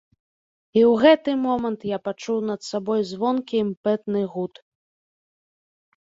І ў гэты момант я пачуў над сабой звонкі імпэтны гуд.